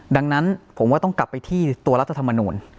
ดังนั้นผมว่าต้องกลับไปที่ตัวรัฐธรรมนูล